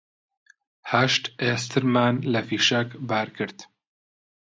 هەشت ئێسترمان لە فیشەک بار کرد